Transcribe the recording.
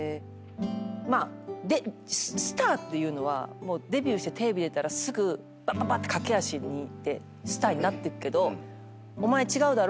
「スターっていうのはデビューしてテレビ出たらすぐばばばって駆け足でスターになってくけど」